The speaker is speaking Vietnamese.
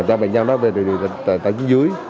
cho bệnh nhân nói về điều trị tại phía dưới